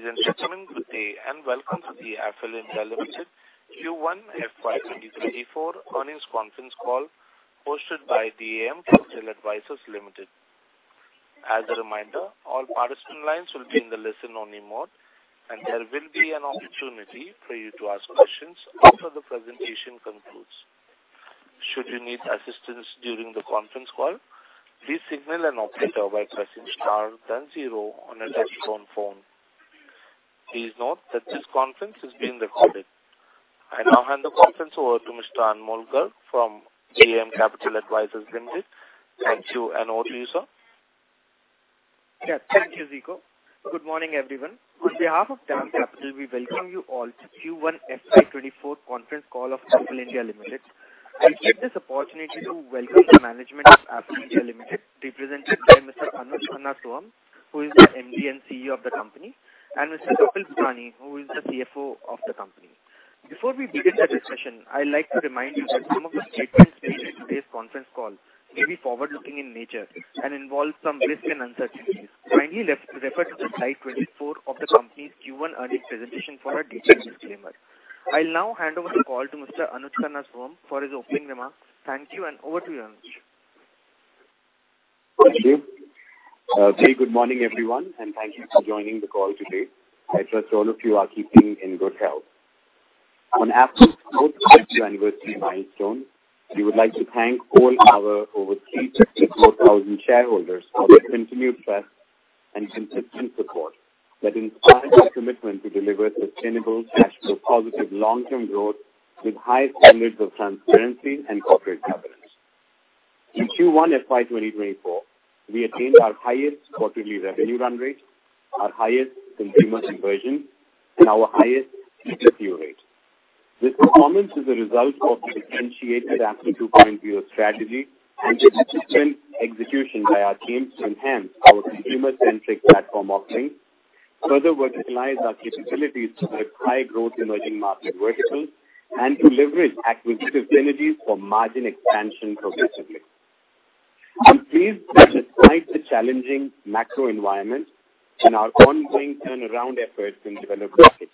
Ladies and gentlemen, good day, and welcome to the Affle India Limited Q1 FY 2024 earnings conference call, hosted by DAM Capital Advisors Limited. As a reminder, all participant lines will be in the listen-only mode, and there will be an opportunity for you to ask questions after the presentation concludes. Should you need assistance during the conference call, please signal an operator by pressing star then zero on a touch-tone phone. Please note that this conference is being recorded. I now hand the conference over to Mr. Anmol Garg from DAM Capital Advisors Limited. Thank you, and over to you, sir. Yeah. Thank you, Ziko. Good morning, everyone. On behalf of DAM Capital, we welcome you all to Q1 FY24 conference call of Affle India Limited. We take this opportunity to welcome the management of Affle India Limited, represented by Mr. Anuj Khanna Sohum, who is the MD and CEO of the company, and Mr. Swapnil Sukani, who is the CFO of the company. Before we begin the discussion, I'd like to remind you that some of the statements made in today's conference call may be forward-looking in nature and involve some risks and uncertainties. Kindly refer to the slide 24 of the company's Q1 earnings presentation for a detailed disclaimer. I'll now hand over the call to Mr. Anuj Khanna Sohum for his opening remarks. Thank you. Over to you, Anuj. Thank you. Very good morning, everyone, and thank you for joining the call today. I trust all of you are keeping in good health. On Affle's anniversary milestone, we would like to thank all our over 354,000 shareholders for their continued trust and consistent support that inspires our commitment to deliver sustainable, cash flow positive, long-term growth with high standards of transparency and corporate governance. In Q1 FY 2024, we attained our highest quarterly revenue run rate, our highest consumer conversions, and our highest CPCU rate. This performance is a result of the differentiated Affle 2.0 strategy and the consistent execution by our teams to enhance our consumer-centric platform offering, further verticalize our capabilities to the high-growth emerging market verticals, and to leverage acquisition synergies for margin expansion progressively. I'm pleased that despite the challenging macro environment and our ongoing turnaround efforts in developed markets,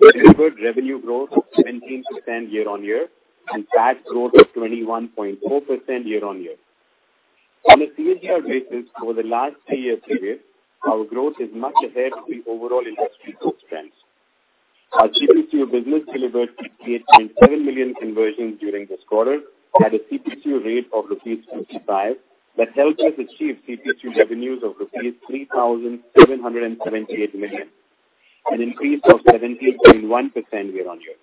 we delivered revenue growth of 17% year-on-year and PAT growth of 21.4% year-on-year. On a CAGR basis over the last 3-year period, our growth is much ahead of the overall industry growth trends. Our CPCU business delivered 58.7 million conversions during this quarter at a CPCU rate of rupees 55. That helped us achieve CPCU revenues of rupees 3,778 million, an increase of 17.1% year-on-year.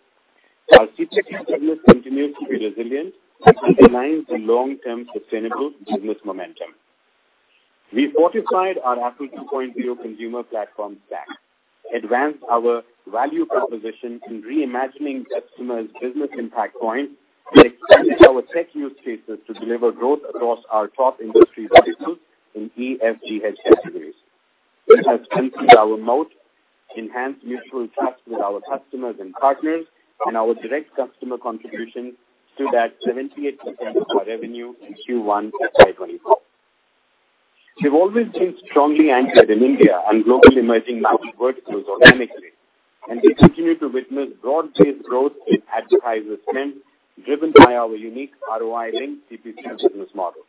Our CPCU business continues to be resilient, which underlines the long-term sustainable business momentum. We fortified our Affle 2.0 consumer platform stack, advanced our value proposition in reimagining customers' business impact point, and expanded our tech use cases to deliver growth across our top industry verticals in EFGH categories, which has increased our moat, enhanced mutual trust with our customers and partners, and our direct customer contributions to that 78% of our revenue in Q1 FY 2024. We've always been strongly anchored in India and global emerging market verticals organically, and we continue to witness broad-based growth in advertiser spend, driven by our unique ROI-linked CPCU business model.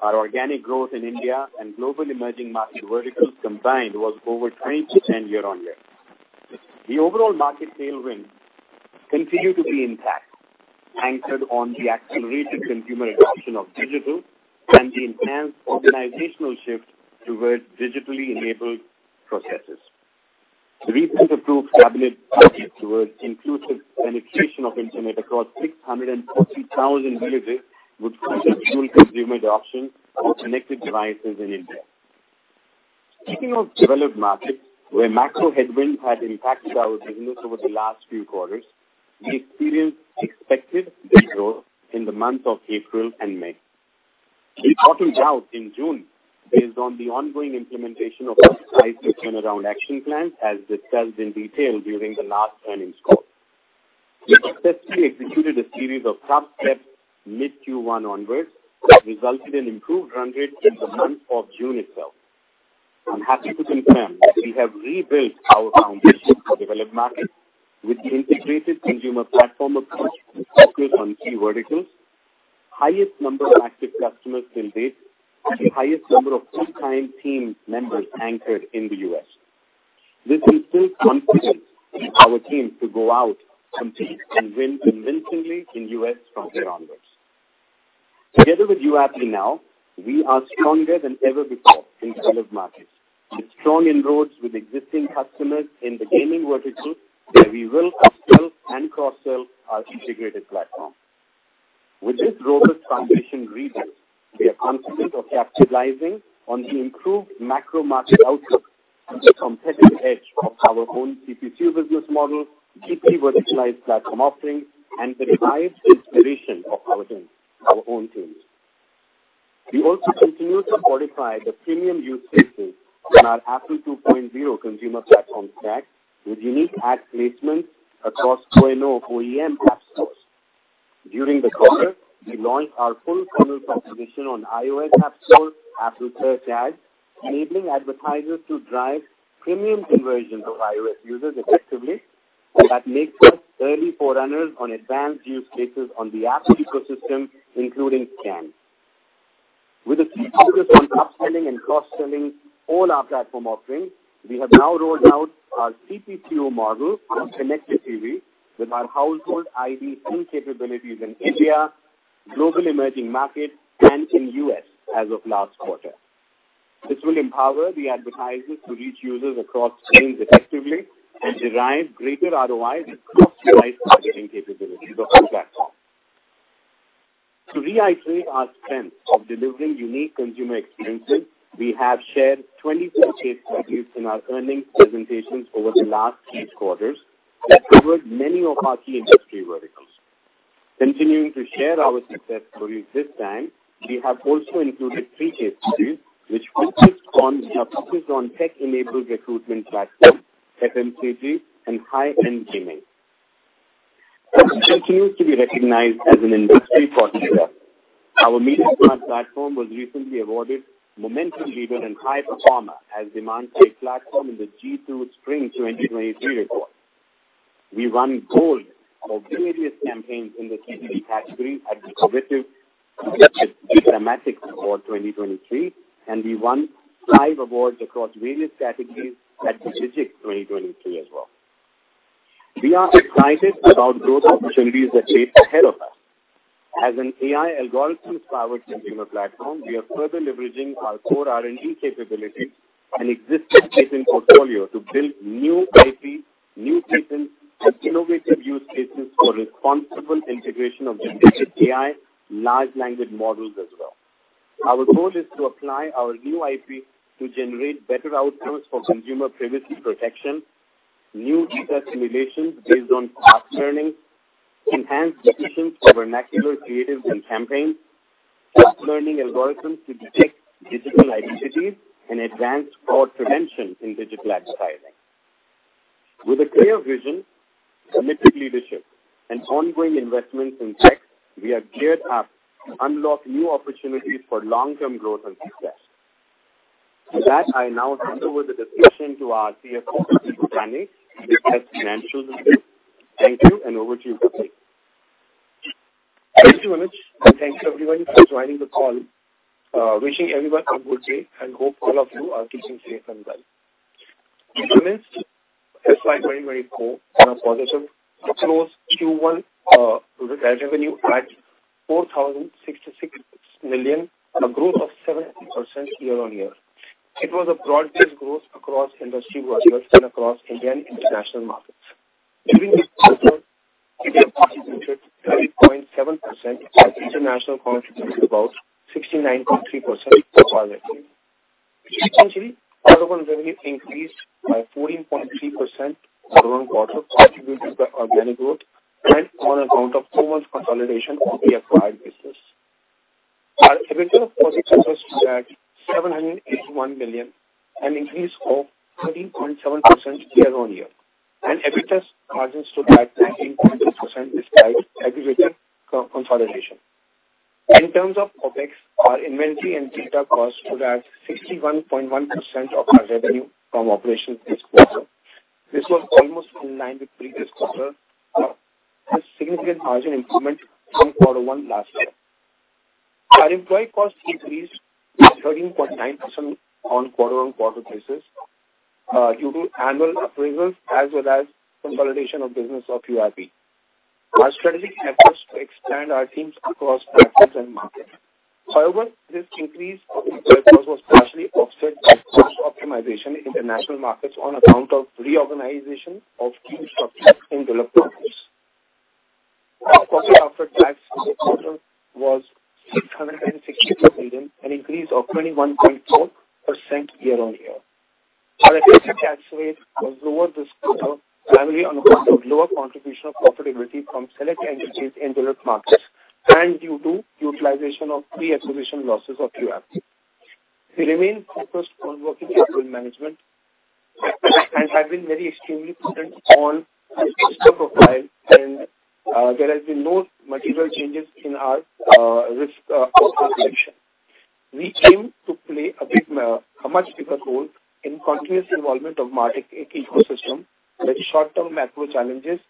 Our organic growth in India and global emerging market verticals combined was over 20% year-on-year. The overall market tailwind continue to be intact, anchored on the accelerated consumer adoption of digital and the enhanced organizational shift towards digitally enabled processes. The recently approved cabinet package towards inclusive penetration of internet across 640,000 villages would further fuel consumer adoption of connected devices in India. Speaking of developed markets, where macro headwinds had impacted our business over the last few quarters, we experienced expected decline in the months of April and May. We bottomed out in June based on the ongoing implementation of our decisive turnaround action plan, as detailed in detail during the last earnings call. We successfully executed a series of tough steps mid-Q1 onwards, that resulted in improved run rate in the month of June itself. I'm happy to confirm that we have rebuilt our foundation for developed markets with the integrated consumer platform approach focused on key verticals, highest number of active customers till date, and the highest number of full-time team members anchored in the US. This instills confidence in our team to go out, compete, and win convincingly in U.S. from here onwards. Together with YouAppi now, we are stronger than ever before in developed markets, with strong inroads with existing customers in the gaming vertical, where we will up-sell and cross-sell our integrated platform. With this robust foundation rebuilt, we are confident of capitalizing on the improved macro market outlook and the competitive edge of our own CPCU business model, deeply verticalized platform offerings, and the revived inspiration of our team, our own teams. We also continue to fortify the premium use cases in our Affle 2.0 consumer platform stack with unique ad placements across TONO OEM app stores.... During the quarter, we launched our full funnel proposition on iOS App Store, Apple Search Ads, enabling advertisers to drive premium conversions of iOS users effectively. That makes us early forerunners on advanced use cases on the Apple ecosystem, including SKAN. With a key focus on upselling and cross-selling all our platform offerings, we have now rolled out our CPCO model on connected TV with our household ID sync capabilities in India, global emerging markets, and in US as of last quarter. This will empower the advertisers to reach users across screens effectively and derive greater ROIs and customized targeting capabilities across platforms. To reiterate our strength of delivering unique consumer experiences, we have shared 24 case studies in our earnings presentations over the last each quarters that covered many of our key industry verticals. Continuing to share our success stories this time, we have also included three case studies, which focus on, are focused on tech-enabled recruitment platforms, FMCG, and high-end gaming. We continue to be recognized as an industry thought leader. Our MediaSmart platform was recently awarded Momentum Leader and High Performer as demand-side platform in the G2 Spring 2023 report. We won Gold for various campaigns in the TV category at the creative Digimatics Awards 2023, and we won five awards across various categories at Digix 2023 as well. We are excited about growth opportunities that shape ahead of us. As an AI algorithm-powered consumer platform, we are further leveraging our core R&D capabilities and existing patent portfolio to build new IP, new patents, and innovative use cases for responsible integration of generative AI large language models as well. Our goal is to apply our new IP to generate better outcomes for consumer privacy protection, new data simulations based on past learning, enhanced efficiency for vernacular creatives and campaigns, plus learning algorithms to detect digital identities and advance fraud prevention in digital advertising. With a clear vision, committed leadership, and ongoing investments in tech, we are geared up to unlock new opportunities for long-term growth and success. With that, I now hand over the discussion to our CFO, Kapil Bhane, to discuss financial results. Thank you, and over to you, Kapil. Thank you, Anuj, and thank you, everyone, for joining the call. Wishing everyone a good day, and hope all of you are keeping safe and well. Anuj, FY 2024 was positive, and closed Q1 with revenue at 4,066 million, a growth of 7% year-on-year. It was a broad-based growth across industry verticals and across Indian international markets. During this quarter, India contributed 30.7%, and international contributed about 69.3% to our revenue. Essentially, our overall revenue increased by 14.3% quarter-on-quarter, contributed to our organic growth and on account of 4 months consolidation of the acquired business. Our EBITDA profit stood at 781 million, an increase of 13.7% year-on-year, and EBITDA margin stood at 19.2%, despite aggregated consolidation. In terms of OpEx, our inventory and data costs stood at 61.1% of our revenue from operations this quarter. This was almost in line with previous quarter, a significant margin improvement from quarter one last year. Our employee cost increased to 13.9% on quarter-on-quarter basis, due to annual appraisals as well as consolidation of business of URP. Our strategic efforts to expand our teams across practices and markets. However, this increase in employee cost was partially offset by cost optimization in international markets on account of reorganization of team structures in developed markets. Our cost after tax this quarter was 662 million, an increase of 21.4% year-on-year. Our effective tax rate was lower this quarter, primarily on account of lower contribution of profitability from select entities in developed markets and due to utilization of pre-acceleration losses of URP. We remain focused on working capital management and have been very extremely prudent on our risk profile, and there has been no material changes in our risk profile collection. We aim to play a big, a much bigger role in continuous involvement of MarTech ecosystem with short-term macro challenges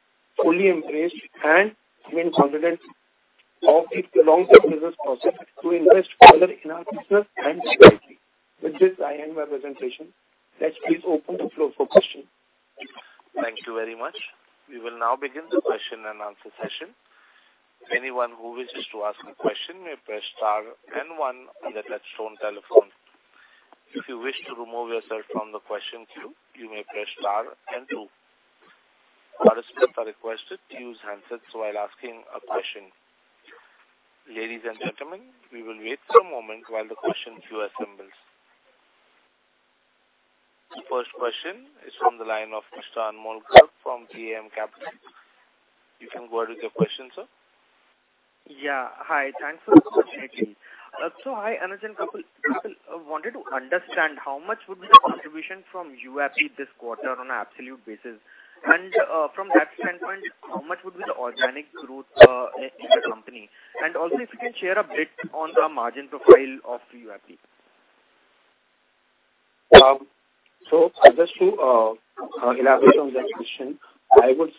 fully embraced and remain confident of the long-term business process to invest further in our business and society. With this, I end my presentation. Let's please open the floor for questions. Thank you very much. We will now begin the question and answer session. Anyone who wishes to ask a question may press star one on the touchtone telephone. If you wish to remove yourself from the question queue, you may press star two. Participants are requested to use handsets while asking a question. Ladies and gentlemen, we will wait for a moment while the question queue assembles. The first question is from the line of Tushar Molkut from BAM Capital. You can go ahead with your question, sir. Yeah. Hi, thanks for the opportunity. Hi, Anuj and Kapil. I wanted to understand how much would be the contribution from URP this quarter on an absolute basis? From that standpoint, how much would be the organic growth in the company? Also, if you can share a bit on the margin profile of URP. Just to elaborate on that question, I would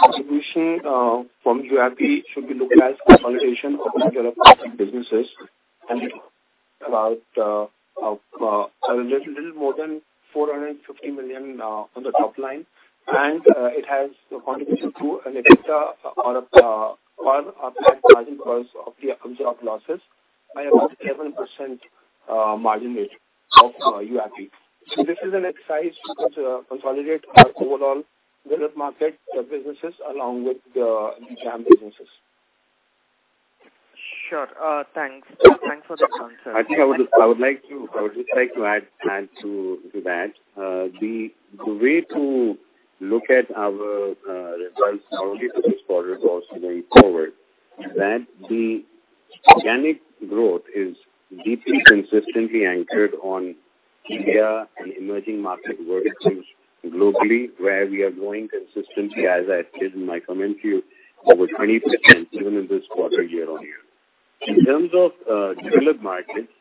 contribution from URP should be looked as consolidation of developed businesses and about a little more than 450 million on the top line. It has contribution to an EBITDA of 1% because of the absorbed losses by about 7% margin rate of URP. This is an exercise to consolidate our overall developed market, the businesses along with the jam businesses. Sure. Thanks. Thanks for the answer. I think I would just like to add to that. The way to look at our results not only for this quarter but also going forward, that the organic growth is deeply, consistently anchored on India and emerging market verticals globally, where we are growing consistently, as I said in my comments to you, over 20% even in this quarter, year-on-year. In terms of developed markets,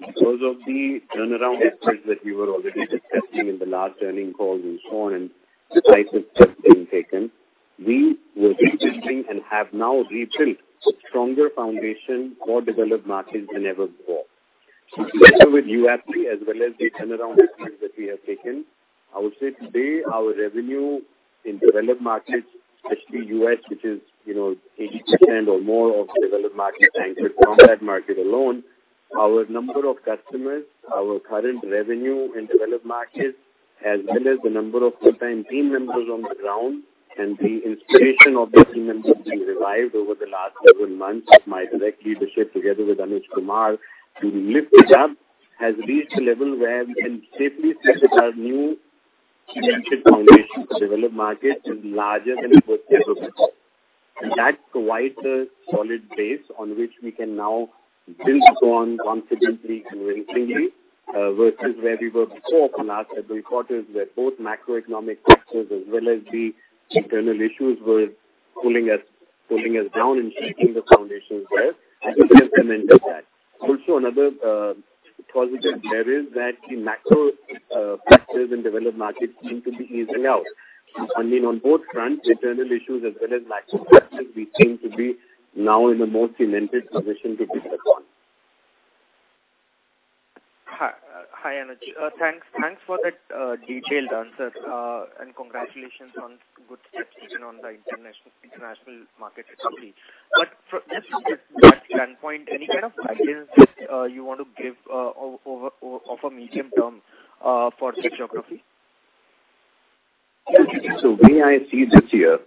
because of the turnaround efforts that we were already discussing in the last earning calls and so on, and decisive steps being taken, we were rebuilding and have now rebuilt a stronger foundation for developed markets than ever before. Together with UAP, as well as the turnaround efforts that we have taken, I would say today our revenue in developed markets, especially US, which is, you know, 80% or more of developed markets anchored on that market alone, our number of customers, our current revenue in developed markets, as well as the number of full-time team members on the ground and the inspiration of the team members we revived over the last several months, my direct leadership, together with Anuj Kumar, to lift it up, has reached a level where we can safely say that our new foundation for developed markets is larger than it was ever before. That provides a solid base on which we can now build on confidently and willingly, versus where we were before from our several quarters, where both macroeconomic factors as well as the internal issues were pulling us, pulling us down and shaking the foundations there, and we have cemented that. Another positive there is that the macro factors in developed markets seem to be easing out. I mean, on both fronts, the internal issues as well as macro factors, we seem to be now in a more cemented position to build upon. Hi, hi, Anuj. Thanks, thanks for that detailed answer, and congratulations on good execution on the international, international market recovery. From that standpoint, any kind of guidance that you want to give of a medium term for geography? The way I see this year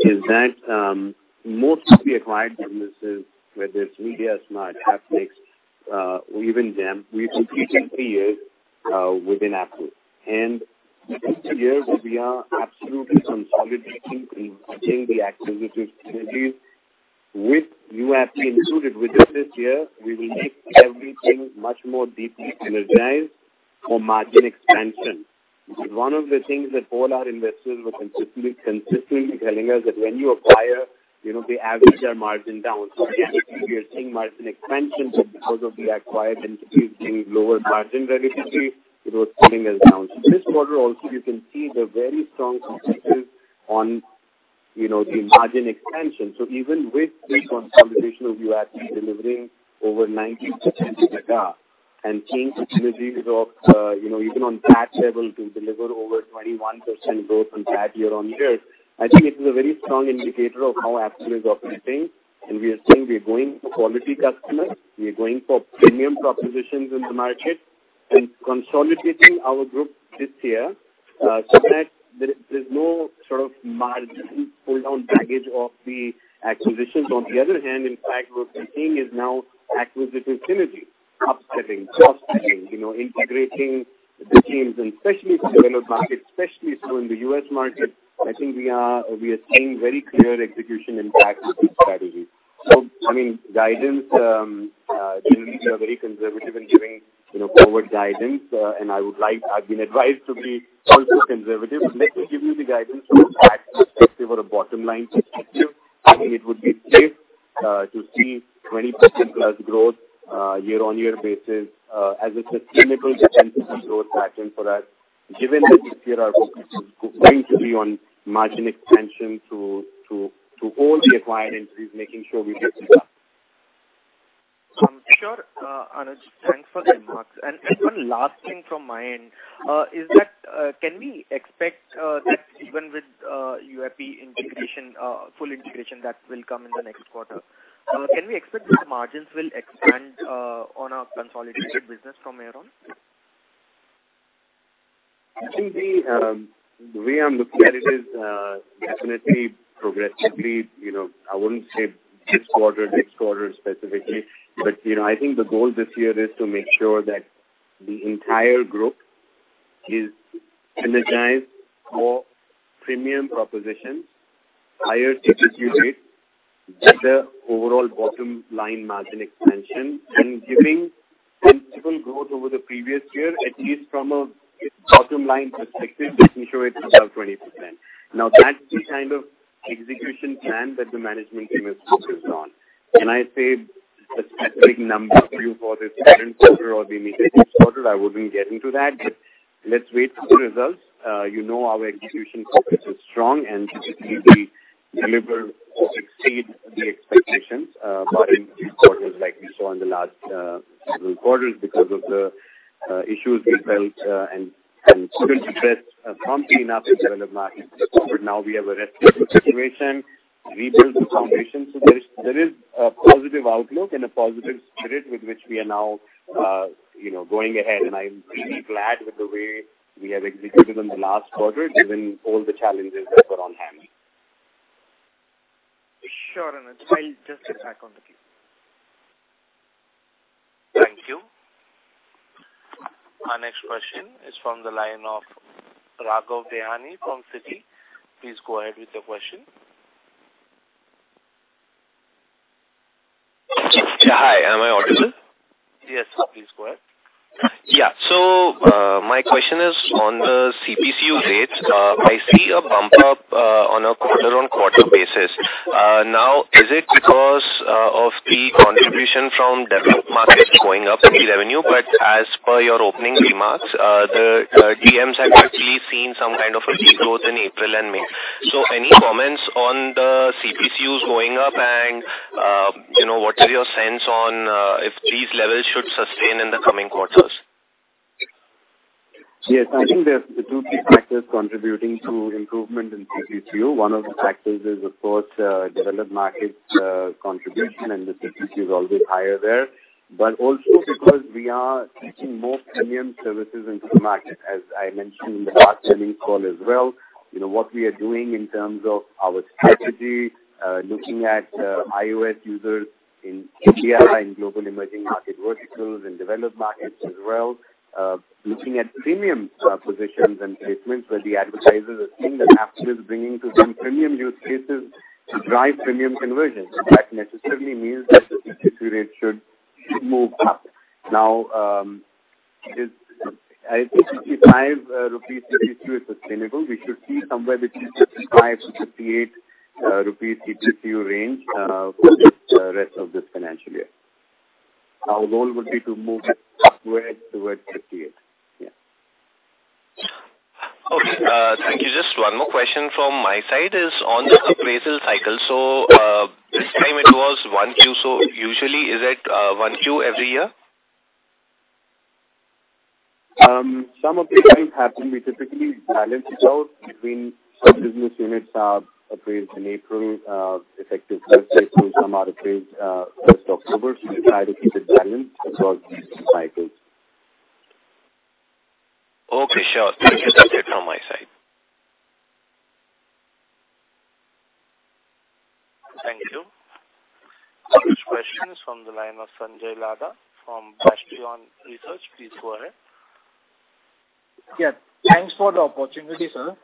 is that most of the acquired businesses, whether it's MediaSmart, Hapmix, or even Jam, we completed three years within Affle. These two years we are absolutely consolidating and watching the acquisition strategies. With UAP included within this year, we will make everything much more deeply energized for margin expansion. One of the things that all our investors were consistently, consistently telling us that when you acquire, you know, they average their margin down. We are seeing margin expansion, but because of the acquired entities being lower margin relatively, it was pulling us down. This quarter also, you can see the very strong focus on, you know, the margin expansion. Even with the consolidation of UAP delivering over 90% EBITDA and team strategies of, you know, even on patch level to deliver over 21% growth on patch year-on-year, I think it is a very strong indicator of how Affle is operating. We are saying we are going for quality customers, we are going for premium propositions in the market and consolidating our group this year, so that there, there's no sort of margin pull-down baggage of the acquisitions. On the other hand, in fact, what we're seeing is now acquisition synergy, upselling, cross-selling, you know, integrating the teams, and especially for developed markets, especially so in the US market, I think we are, we are seeing very clear execution in that strategy. I mean, guidance, generally, we are very conservative in giving, you know, forward guidance, and I would like... I've been advised to be also conservative. Let me give you the guidance from a tax perspective or a bottom line perspective. I think it would be safe to see 20%+ growth year-on-year basis as a sustainable 10% growth pattern for that, given that this year our focus is going to be on margin expansion to all the acquired entities, making sure we get it up. Sure, Anuj, thanks for the remarks. One last thing from my end is that can we expect that even with UAP integration, full integration that will come in the next quarter, can we expect that the margins will expand on a consolidated business from here on? I think the way I'm looking at it is definitely progressively, you know, I wouldn't say this quarter, next quarter specifically, but, you know, I think the goal this year is to make sure that the entire group is energized for premium propositions, higher execution rates, better overall bottom line margin expansion, and giving sensible growth over the previous year, at least from a bottom line perspective, let me show it above 20%. Now, that's the kind of execution plan that the management team is focused on. I said the specific number for you for this current quarter or the immediate quarter, I wouldn't get into that. Let's wait for the results. You know, our execution focus is strong. We will deliver or exceed the expectations, by quarters like we saw in the last, quarters, because of the, issues we felt, and, and couldn't address promptly enough in developed markets. Now we have arrested the situation, rebuilt the foundation. There is, there is a positive outlook and a positive spirit with which we are now, you know, going ahead. I'm really glad with the way we have executed on the last quarter, given all the challenges that were on hand. Sure, Anuj. I'll just get back on the queue. Thank you. Our next question is from the line of Raghav Behani from Citi. Please go ahead with your question. Hi, am I audible? Yes, please go ahead. Yeah. My question is on the CPCU rates. I see a bump up on a quarter-on-quarter basis. Now, is it because of the contribution from developed markets going up in revenue? As per your opening remarks, the DMs have actually seen some kind of a decline growth in April and May. Any comments on the CPCUs going up, and, you know, what is your sense on if these levels should sustain in the coming quarters? Yes, I think there are 2, 3 factors contributing to improvement in CPCU. One of the factors is, of course, developed markets contribution, and the CPCU is always higher there. But also because we are taking more premium services into the market, as I mentioned in the last earnings call as well, you know, what we are doing in terms of our strategy, looking at iOS users in India and global emerging market verticals, in developed markets as well, looking at premium positions and placements where the advertisers are seeing that Affle is bringing to some premium use cases to drive premium conversions. That necessarily means that the CPCU rate should, should move up. Now, is... I think 55 rupees CPCU is sustainable. We should see somewhere between 55-58 rupees CPCU range for the rest of this financial year. Our goal would be to move towards, towards 58. Yeah. Okay, thank you. Just one more question from my side is on the appraisal cycle. This time it was 1 Q. Usually, is it 1 Q every year? Some of the times happen. We typically balance it out between some business units are appraised in April, effective website will come out appraised, first October. We try to keep it balanced throughout these cycles. Okay, sure. Thank you. That's it from my side. Thank you. Our next question is from the line of Sanjay Ladha from Bastion Research. Please go ahead. Yeah. Thanks for the opportunity, sir.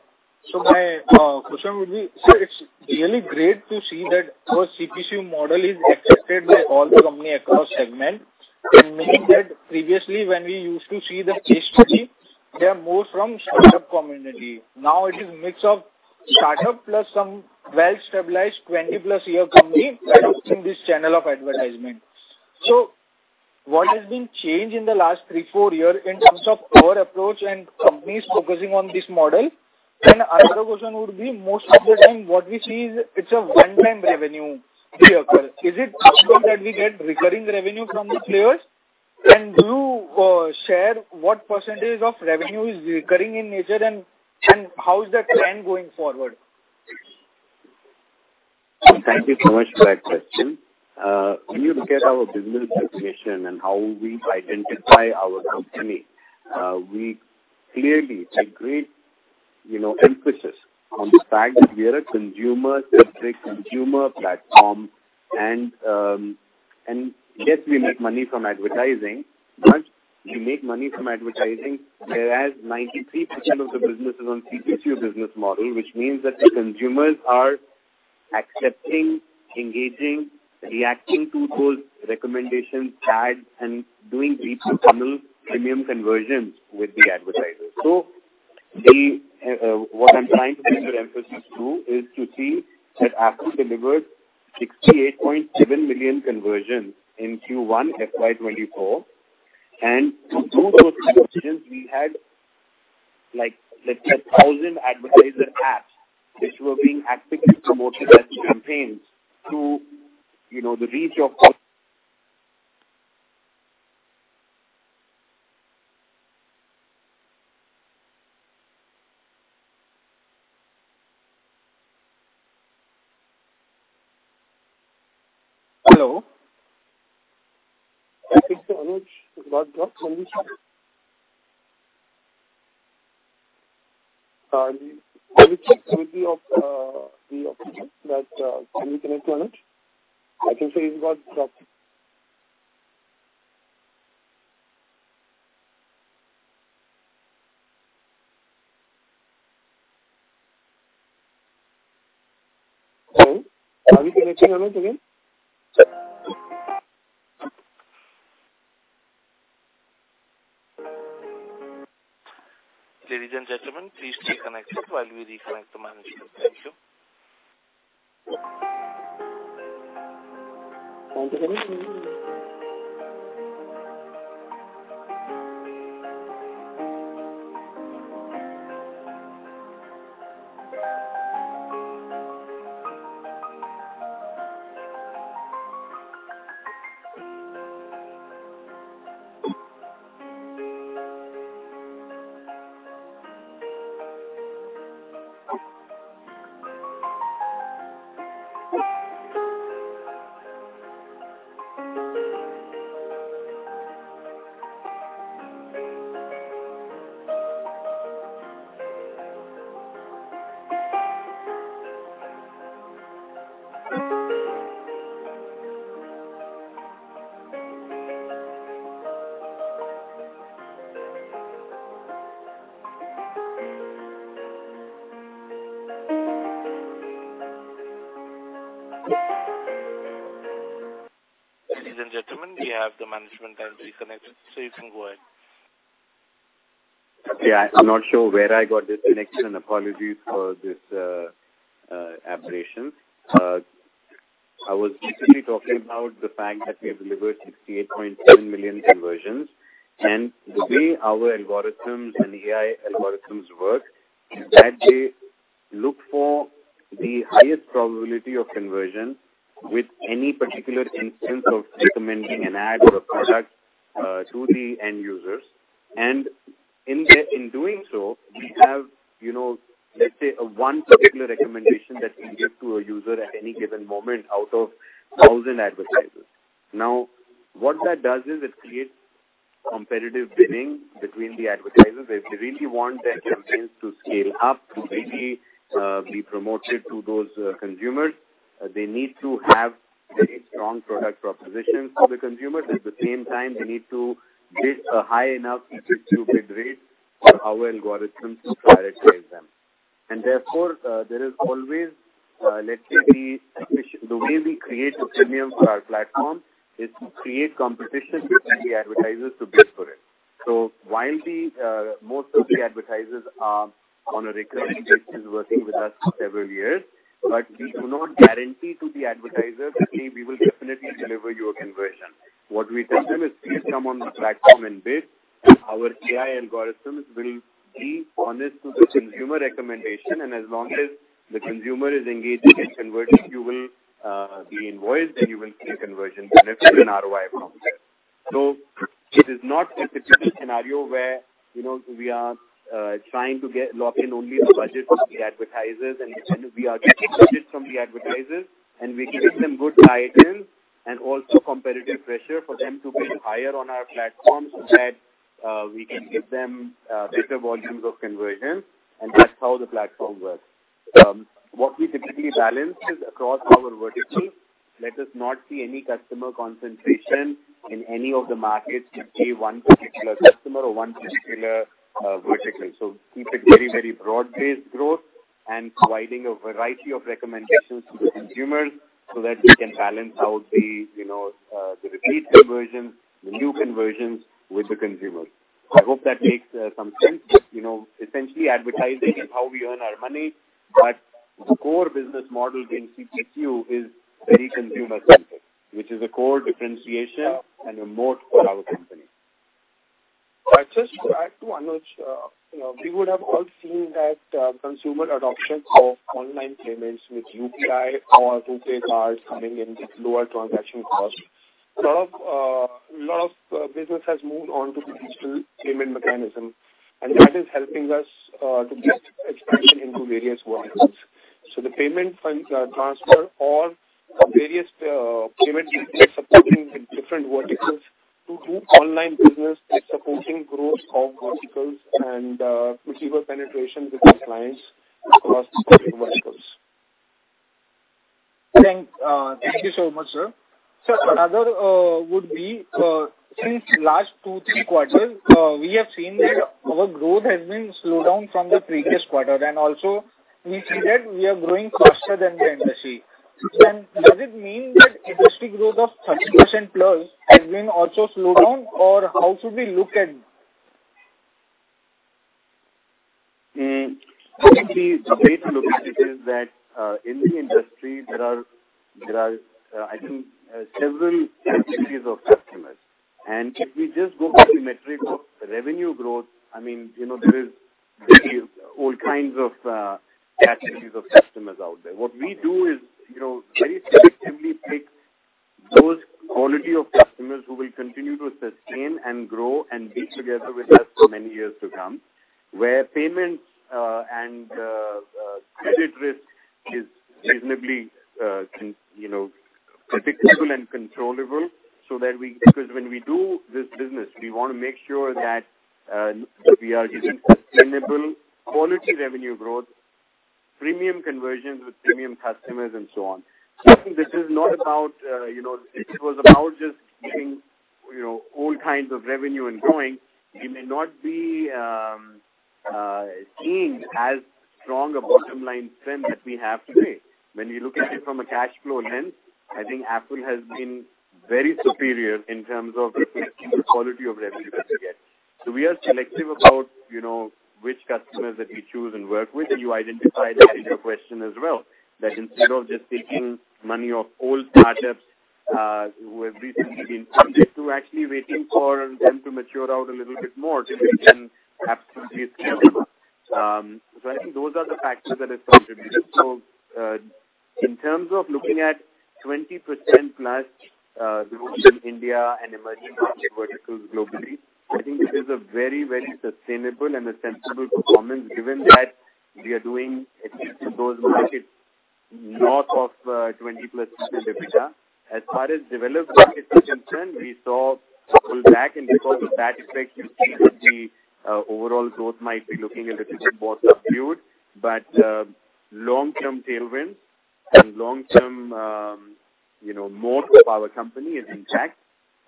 My question would be: Sir, it's really great to see that your CPCU model is accepted by all the company across segments, and knowing that previously, when we used to see the history, they are more from startup community. Now it is a mix of startup plus some well-stabilized, 20-plus year company adopting this channel of advertisement. What has been changed in the last three, four years in terms of your approach and companies focusing on this model? Another question would be, most of the time, what we see is it's a one-time revenue deal. Is it possible that we get recurring revenue from the players? Do you share what % of revenue is recurring in nature, and, and how is that plan going forward? Thank you so much for that question. When you look at our business definition and how we identify our company, we clearly take great, you know, emphasis on the fact that we are a consumer-centric consumer platform. Yes, we make money from advertising, but we make money from advertising, whereas 93% of the business is on CPCU business model, which means that the consumers are accepting, engaging, reacting to those recommendations, chats, and doing deep funnel premium conversions with the advertisers. What I'm trying to put emphasis to is to see that Affle delivered 68.7 million conversions in Q1 FY24, and through those conversions, we had, like, let's say, 1,000 advertiser apps which were being actively promoted as campaigns through, you know, the reach of... Hello? I think Anuj, is about dropped connection. I will check with the operator that, can we connect to Anuj? I can say he's got dropped. Hello, are you connecting Anuj again? Ladies and gentlemen, please stay connected while we reconnect the management. Thank you. Ladies and gentlemen, we have the management and reconnected. You can go ahead. Yeah, I'm not sure where I got this connection, and apologies for this aberration. I was basically talking about the fact that we have delivered 68.10 million conversions, and the way our algorithms and AI algorithms work, is that they look for the highest probability of conversion with any particular instance of recommending an ad or a product to the end users. In doing so, we have, you know, let's say, a one particular recommendation that we give to a user at any given moment out of 1,000 advertisers. What that does is, it creates competitive bidding between the advertisers. If they really want their campaigns to scale up, to maybe be promoted to those consumers, they need to have very strong product propositions for the consumers. At the same time, they need to bid a high enough to bid rate for our algorithms to prioritize them. Therefore, there is always, let's say, the way we create a premium for our platform is to create competition between the advertisers to bid for it. While we, most of the advertisers are on a recurring basis, working with us for several years, but we do not guarantee to the advertisers that, "Hey, we will definitely deliver you a conversion." What we tell them is, "Please come on the platform and bid, and our AI algorithms will be honest to the consumer recommendation, and as long as the consumer is engaged and converted, you will be invoiced, and you will see a conversion benefit and ROI from it." It is not typically a scenario where, you know, we are trying to get lock in only the budget from the advertisers, and we are getting budgets from the advertisers, and we give them good items and also competitive pressure for them to bid higher on our platform, so that we can give them better volumes of conversion, and that's how the platform works. What we typically balance is across our verticals, let us not see any customer concentration in any of the markets to pay one particular customer or one particular vertical. Keep it very, very broad-based growth and providing a variety of recommendations to the consumers, so that we can balance out the, you know, the repeat conversions, the new conversions with the consumers. I hope that makes some sense. You know, essentially, advertising is how we earn our money, but the core business model in CCQ is very consumer-centric, which is a core differentiation and a moat for our company. I just try to announce, you know, we would have all seen that, consumer adoption of online payments with UPI or RuPay cards coming in with lower transaction costs. A lot of business has moved on to the digital payment mechanism, that is helping us to get expansion into various verticals. The payment fund transfer or various payment supporting the different verticals to do online business is supporting growth of verticals and particular penetration with the clients across various verticals. Thank you so much, sir. Sir, another would be, since last two, three quarters, we have seen that our growth has been slowed down from the previous quarter, and also we see that we are growing faster than the industry. Does it mean that industry growth of 30% plus has been also slowed down, or how should we look at? The way to look at it is that in the industry, there are, there are, I think, several categories of customers. If we just go by the metric of revenue growth, I mean, you know, there is, there is all kinds of, categories of customers out there. What we do is, you know, very selectively pick those quality of customers who will continue to sustain and grow and be together with us for many years to come, where payments, and, credit risk is reasonably, You know, predictable and controllable. Because when we do this business, we want to make sure that we are getting sustainable quality revenue growth, premium conversions with premium customers, and so on. I think this is not about, you know, it was about just getting, you know, all kinds of revenue and growing. We may not be as strong a bottom line trend that we have today. When you look at it from a cash flow lens, I think Affle has been very superior in terms of the quality of revenue that we get. We are selective about, you know, which customers that we choose and work with, and you identified that in your question as well, that instead of just taking money off old startups, who have recently been funded, to actually waiting for them to mature out a little bit more till we can absolutely scale. I think those are the factors that have contributed. In terms of looking at 20%+ growth in India and emerging market verticals globally, I think it is a very, very sustainable and a sensible performance, given that we are doing at least in those markets, north of 20%+ EBITDA. As far as developed markets are concerned, we saw a pull back, and because of that effect, you see that the overall growth might be looking a little bit more subdued. Long-term tailwinds and long-term, you know, moat of our company is intact,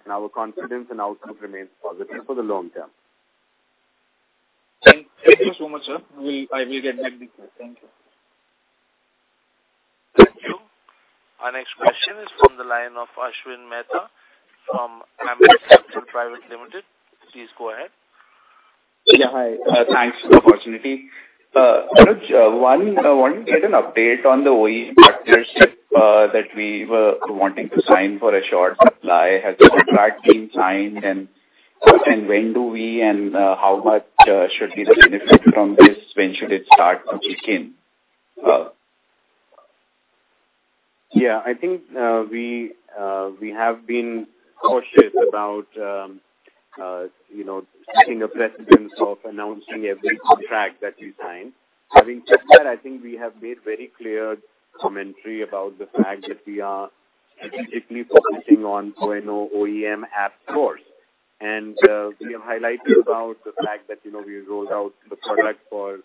and our confidence and outlook remains positive for the long term. Thank you so much, sir. I will get back to you. Thank you. Thank you. Our next question is from the line of Ashwin Mehta from Ambit Capital Private Limited. Please go ahead. Yeah, hi. Thanks for the opportunity. Anuj, one, one, get an update on the OE partnership that we were wanting to sign for a short supply. Has the contract been signed, and when do we and how much should be the benefit from this? When should it start to kick in? Yeah, I think, we have been cautious about, you know, setting a precedence of announcing every contract that we sign. Having said that, I think we have made very clear commentary about the fact that we are strategically focusing on ONO, OEM app stores. We have highlighted about the fact that, you know, we rolled out the product for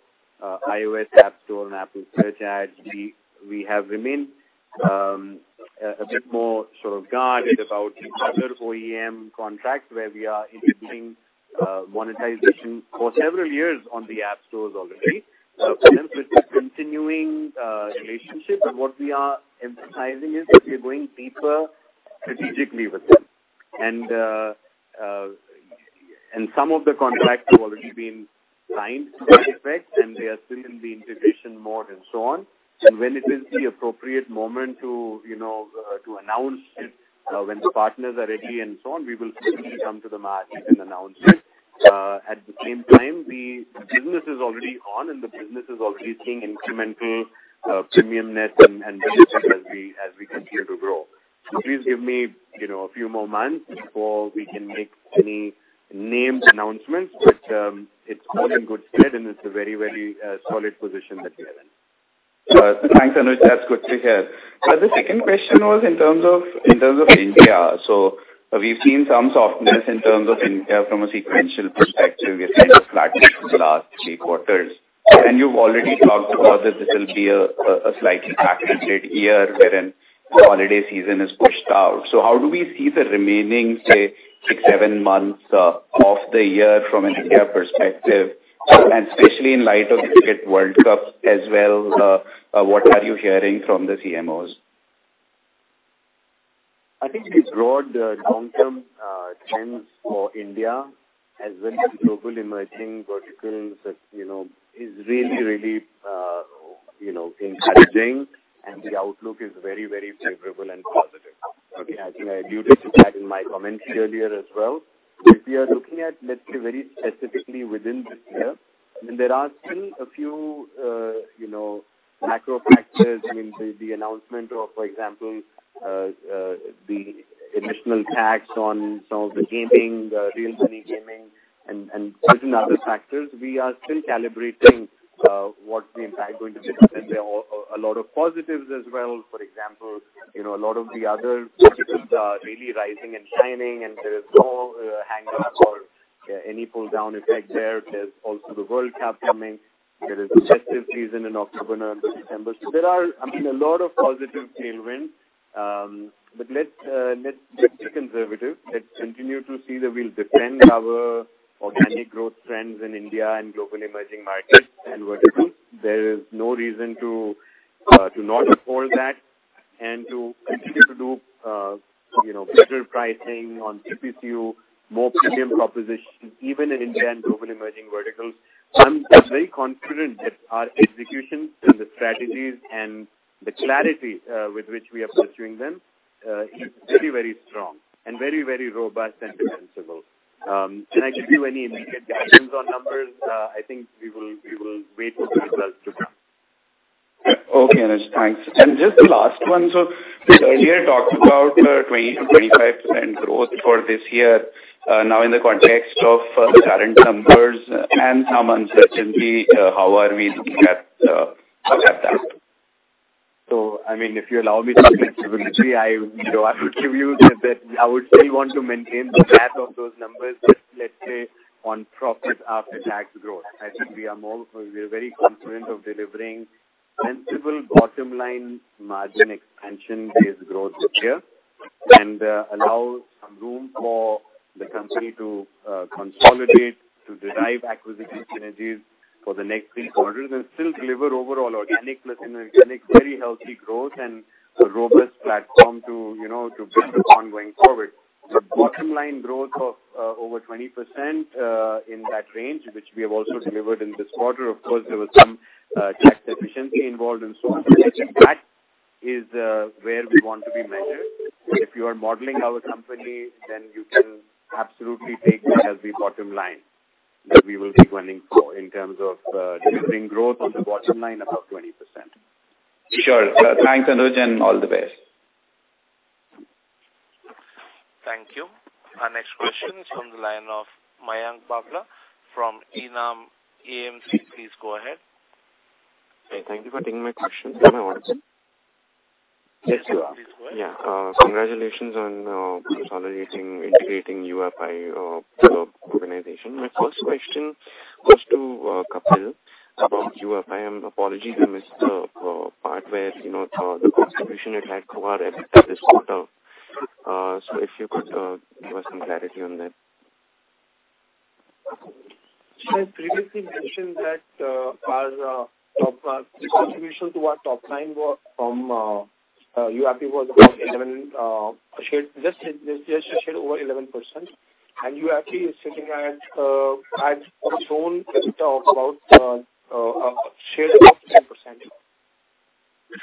iOS App Store and Apple Search Ads. We have remained a bit more sort of guarded about other OEM contracts, where we are introducing monetization for several years on the app stores already. It's a continuing relationship, and what we are emphasizing is that we're going deeper strategically with them. Some of the contracts have already been signed by Affle, and they are still in the integration mode and so on. When it is the appropriate moment to, you know, to announce it, when the partners are ready and so on, we will certainly come to the market and announce it. At the same time, the business is already on, and the business is already seeing incremental, premium net and, and business as we, as we continue to grow. Please give me, you know, a few more months before we can make any named announcements, but, it's all in good stead, and it's a very, very, solid position that we're in. Thanks, Anuj. That's good to hear. The second question was in terms of, in terms of India. We've seen some softness in terms of India from a sequential perspective. It's been flat for the last three quarters, and you've already talked about that this will be a, a slightly package year, wherein the holiday season is pushed out. How do we see the remaining, say, six, seven months of the year from an India perspective, and especially in light of the Cricket World Cup as well, what are you hearing from the CMOs? I think the broad, long-term trends for India, as well as global emerging verticals, that, you know, is really, really, you know, encouraging, and the outlook is very, very favorable and positive. I think I alluded to that in my comments earlier as well. If we are looking at, let's say, very specifically within this year, I mean, there are still a few, you know, macro factors. I mean, the announcement of, for example, the additional tax on some of the gaming, real money gaming, and certain other factors, we are still calibrating what the impact is going to be. There are a lot of positives as well. For example, you know, a lot of the other verticals are really rising and shining, and there is no hangup or any pull-down effect there. There's also the World Cup coming. There is the festive season in October, November, December. There are, I mean, a lot of positive tailwinds. Let's be conservative. Let's continue to see that we'll defend our organic growth trends in India and global emerging markets and verticals. There is no reason to not afford that and to continue to do, you know, better pricing on CPCU, more premium propositions, even in India and global emerging verticals. I'm very confident that our execution and the strategies and the clarity with which we are pursuing them is very, very strong and very, very robust and defensible. Can I give you any immediate guidance on numbers? I think we will, we will wait for the results to come. Okay, Anuj, thanks. Just the last one, so earlier, you talked about 20%-25% growth for this year. Now, in the context of the current numbers and some uncertainty, how are we looking at that? I mean, if you allow me to give you flexibility, I, you know, I would give you that, I would still want to maintain the path of those numbers, let's say, on PAT growth. I think we are more. We are very confident of delivering sensible bottom line margin expansion-based growth this year. And allows room for the company to consolidate, to derive acquisition synergies for the next three quarters and still deliver overall organic plus inorganic, very healthy growth and a robust platform to, you know, to build upon going forward. Bottom line growth of over 20%, in that range, which we have also delivered in this quarter. Of course, there was some tax efficiency involved and so on. That is where we want to be measured. If you are modeling our company, then you can absolutely take the healthy bottom line, that we will be running for in terms of, delivering growth on the bottom line, about 20%. Sure. Thanks, Anuj, and all the best. Thank you. Our next question is from the line of Mayank Babla from ENAM AMC. Please go ahead. Hey, thank you for taking my question. Am I audible? Yes, you are. Please go ahead. Yeah. Congratulations on consolidating, integrating UFI organization. My first question was to Kapil about UFI. Apologies, I missed the part where, you know, the contribution it had to our effort this quarter. If you could give us some clarity on that. I previously mentioned that our top contribution to our top line was from UFI was about 11 shared over 11%. UFI is sitting at its own, about share of 10%.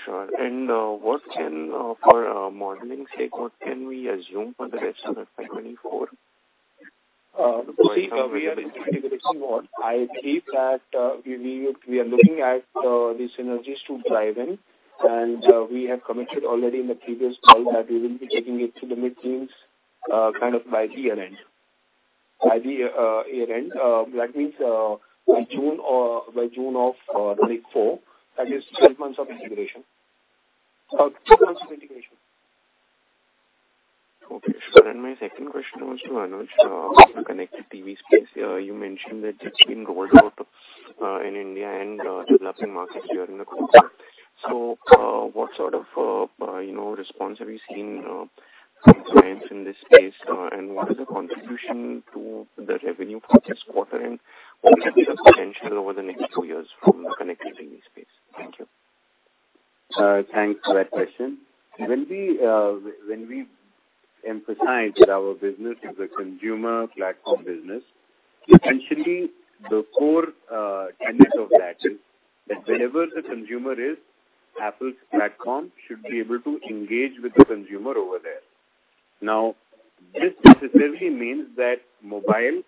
Sure. What can, for, modeling sake, what can we assume for the rest of the 2024? You see, we are in integration mode. I believe that we are looking at the synergies to drive in, and we have committed already in the previous call that we will be taking it to the mid-teens kind of by the year-end. By the year-end, that means by June or by June of 2024, that is 6 months of integration. 6 months of integration. Okay, sure. My second question was to Anuj. Connected TV space. You mentioned that it's been rolled out in India and developing markets during the quarter. What sort of, you know, response are we seeing from clients in this space? What is the contribution to the revenue for this quarter and what could be the potential over the next 2 years from the connected TV space? Thank you. Thanks for that question. When we, when we emphasize that our business is a consumer platform business, essentially the core tenet of that is that wherever the consumer is, Apple's platform should be able to engage with the consumer over there. This necessarily means that mobile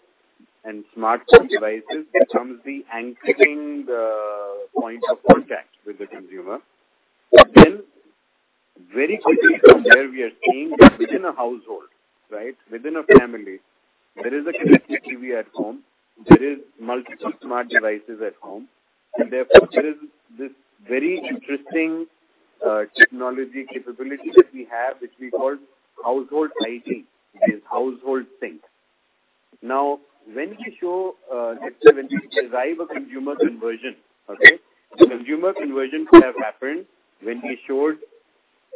and smartphone devices becomes the anchoring point of contact with the consumer. Very quickly from there, we are seeing that within a household, right, within a family, there is a connected TV at home, there is multiple smart devices at home, therefore, there is this very interesting technology capability that we have, which we call household ID. It is household sync. When we show, let's say, when we derive a consumer conversion, okay? The consumer conversion could have happened when we showed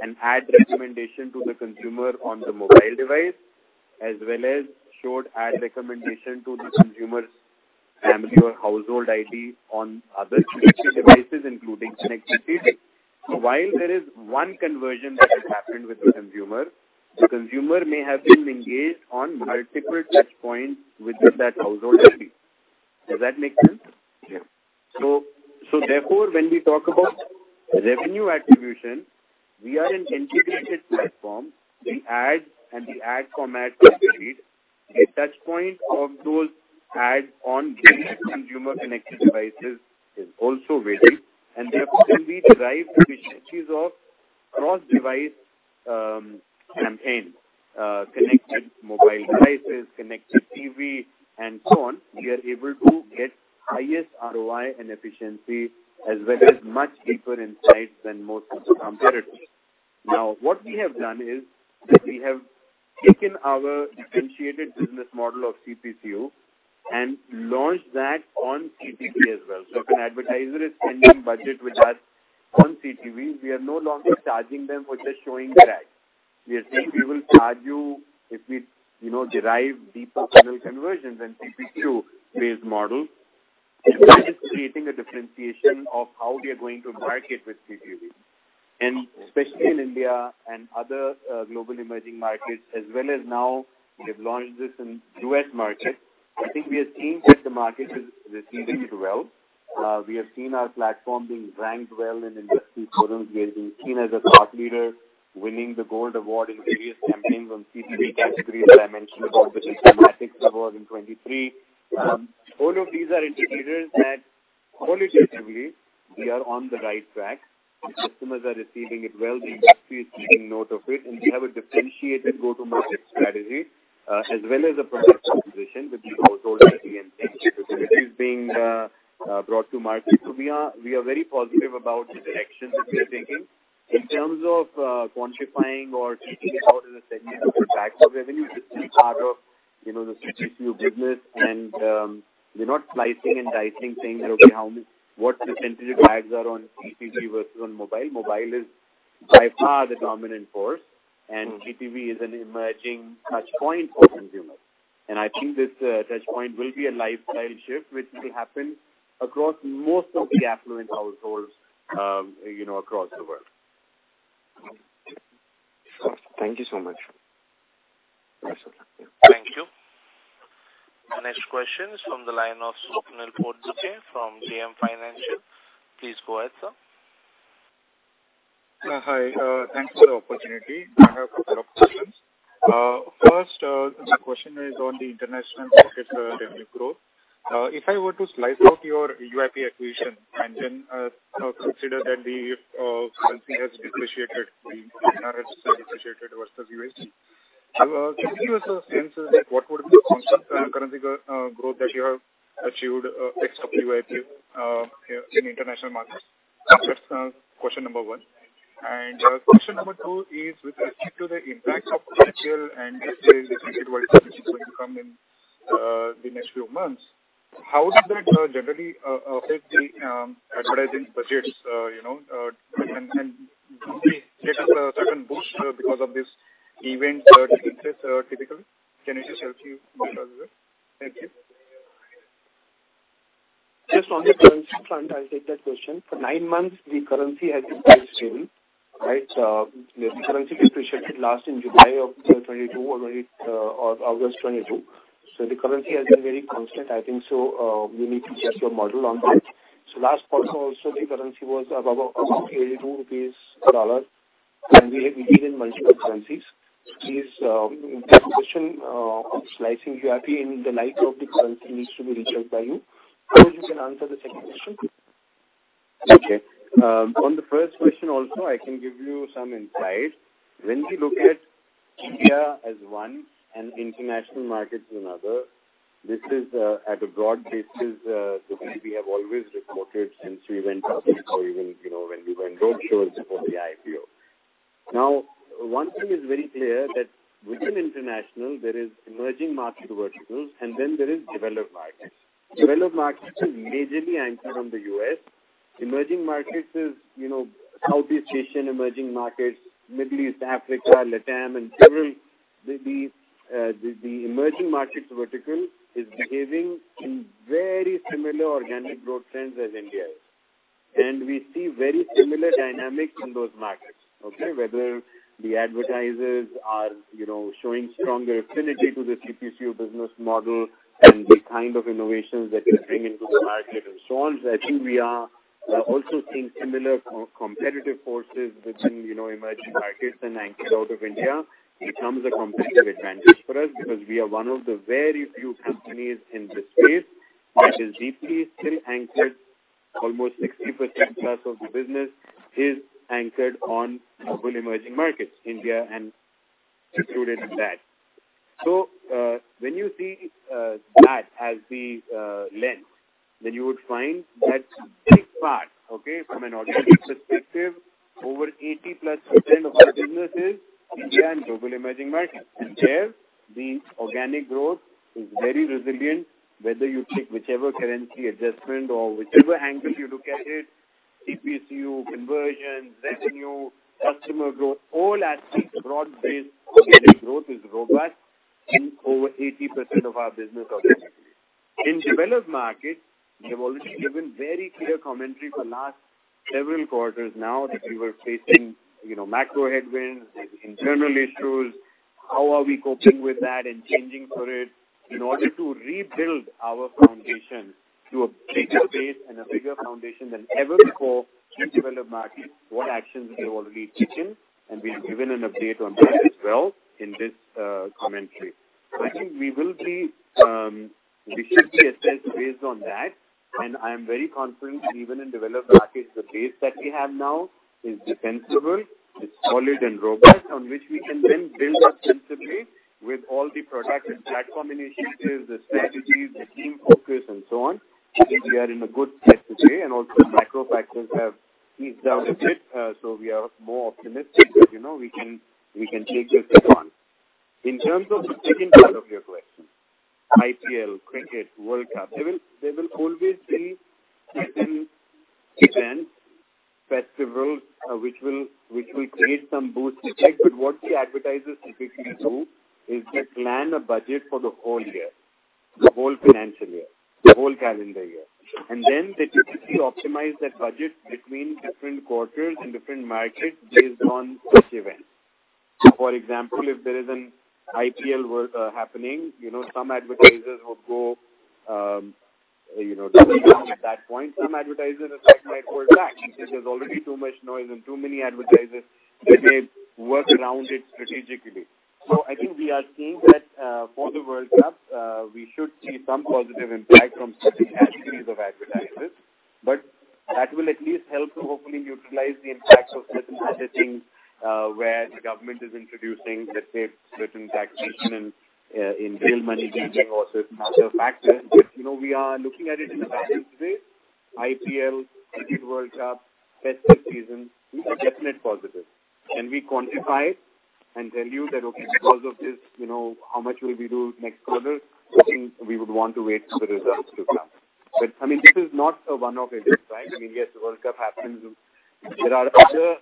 an ad recommendation to the consumer on the mobile device, as well as showed ad recommendation to the consumer's family or household ID on other connected devices, including connected TV. While there is one conversion that has happened with the consumer, the consumer may have been engaged on multiple touchpoints within that household ID. Does that make sense? Yeah. Therefore, when we talk about revenue attribution, we are an integrated platform. The ads and the ad format complete. The touchpoint of those ads on these consumer-connected devices is also waiting, and therefore, can be derived to efficiencies of cross-device campaigns, connected mobile devices, connected TV, and so on. We are able to get highest ROI and efficiency, as well as much deeper insights than most of the competitors. What we have done is that we have taken our differentiated business model of CPCO and launched that on CTV as well. If an advertiser is spending budget with us on CTV, we are no longer charging them for just showing the ad. We are saying we will charge you if we, you know, derive deeper level conversions and CPCU-based model. That is creating a differentiation of how we are going to market with CTV. Especially in India and other global emerging markets, as well as now we have launched this in US market. I think we have seen that the market is receiving it well. We have seen our platform being ranked well in industry forums. We have been seen as a thought leader, winning the gold award in various campaigns on CTV categories that I mentioned about, which is Sematics Award in 23. All of these are indicators that qualitatively we are on the right track. The customers are receiving it well, the industry is taking note of it, and we have a differentiated go-to-market strategy, as well as a product proposition, which is also the TNT, which is being brought to market. We are, we are very positive about the direction that we are taking. In terms of quantifying or thinking about the segment of the fact of revenue, this is part of-... you know, the CPCU business and, we're not slicing and dicing, saying, okay, how many-- what the percentage lags are on CPCU versus on mobile. Mobile is by far the dominant force. GPV is an emerging touchpoint for consumers. I think this, touchpoint will be a lifestyle shift, which will happen across most of the affluent households, you know, across the world. Thank you so much. Thank you. The next question is from the line of Swapnil Potdukhe from JM Financial. Please go ahead, sir. Hi. Thanks for the opportunity. I have a couple of questions. First, my question is on the international market revenue growth. If I were to slice out your UAP acquisition and then consider that the currency has depreciated, the INR has depreciated versus USD, can you give us a sense of, like, what would be the constant currency growth that you have achieved, ex-WIP, in international markets? That's question number one. Question number two is with respect to the impact of IPL and if there is a Cricket World Cup which is going to come in the next few months, how does that generally affect the advertising budgets, you know, and does it take us a certain boost because of this event, typically? Can you just help me with that? Thank you. Just on the currency front, I'll take that question. For 9 months, the currency has been very stable, right? The currency depreciated last in July of 2022 or August 2022. The currency has been very constant. I think so, you need to check your model on that. Last quarter also, the currency was about 82 rupees per dollar, and we have given multiple currencies. Please, that question on slicing UIP in the light of the currency needs to be rechecked by you. Maybe you can answer the second question. Okay. On the first question, also, I can give you some insight. When we look at India as one and international markets as another, this is at a broad basis, the way we have always reported since we went public or even, you know, when we went roadshows before the IPO. One thing is very clear, that within international there is emerging market verticals, and then there is developed markets. Developed markets is majorly anchored on the US. Emerging markets is, you know, Southeast Asian emerging markets, Middle East, Africa, Latam and several. The, the, the emerging markets vertical is behaving in very similar organic growth trends as India is. We see very similar dynamics in those markets, okay? Whether the advertisers are, you know, showing stronger affinity to the CPCU business model and the kind of innovations that we are bringing to the market and so on. I think we are also seeing similar competitive forces within, you know, emerging markets and anchored out of India. It comes a competitive advantage for us because we are one of the very few companies in this space that is deeply still anchored. Almost 60%+ of the business is anchored on global emerging markets, India and included in that. When you see that as the lens, then you would find that's very far, okay? From an organic perspective, over 80%+ of our business is India and global emerging markets. There, the organic growth is very resilient, whether you take whichever currency adjustment or whichever angle you look at it, CPCU, conversion, revenue, customer growth, all aspects, broad-based organic growth is robust in over 80% of our business globally. In developed markets, we have already given very clear commentary for last several quarters now, that we were facing, you know, macro headwinds and internal issues. How are we coping with that and changing for it in order to rebuild our foundation to a bigger base and a bigger foundation than ever before in developed markets? What actions we have already taken, and we have given an update on that as well in this commentary. I think we will be, we should be assessed based on that, and I am very confident that even in developed markets, the base that we have now is defensible, it's solid and robust, on which we can then build up sensibly with all the product and platform initiatives, the strategies, the team focus and so on. I think we are in a good place today, and also the macro factors have eased down a bit, so we are more optimistic that, you know, we can, we can take this head-on. In terms of the second part of your question, IPL, Cricket, World Cup, there will always be season events, festivals, which will create some boost. What the advertisers typically do is they plan a budget for the whole year, the whole financial year, the whole calendar year, and then they typically optimize that budget between different quarters and different markets based on each event. For example, if there is an IPL worth happening, you know, some advertisers would go, you know, at that point, some advertisers might pull back because there's already too much noise and too many advertisers, that they work around it strategically. I think we are seeing that for the World Cup, we should see some positive impact from certain categories of advertisers, but that will at least help to hopefully neutralize the impacts of certain budgeting, where the government is introducing, let's say, certain taxation and in Real-money gaming or certain other factors. You know, we are looking at it in a balanced way. IPL, Cricket World Cup, festive season, these are definite positives. Can we quantify and tell you that, okay, because of this, you know, how much will we do next quarter? I think we would want to wait for the results to come. I mean, this is not a one-off event, right? I mean, yes, the World Cup happens. There are other